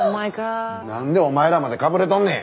なんでお前らまでかぶれとんねん！